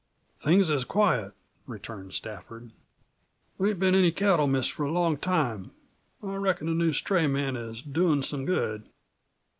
"Things is quiet," returned Stafford. "There ain't been any cattle missed for a long time. I reckon the new stray man is doin' some good."